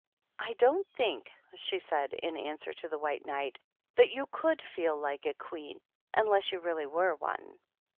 "I don't think," she said, in answer to the White Knight, " that you could feel like a queen, unless you really were one."